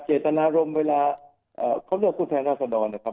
เกษตรนารมณ์เวลาเค้าเรียกว่าภูมิไทยนาศดร